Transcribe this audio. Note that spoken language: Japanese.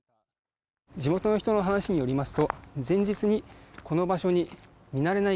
地元の人の話によりますと前日にこの場所に見慣れない